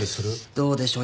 どうでしょう。